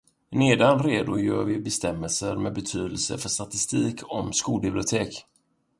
Nedan redogör vi för bestämmelser med betydelse för statistik om skolbibliotek.